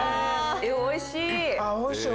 おいしい。